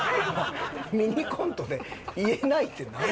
ミニコントで言えないってなんなん？